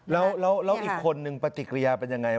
แล้วอีกคนนึงปฏิกิริยาเป็นยังไง